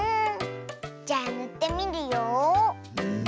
じゃあぬってみるよ。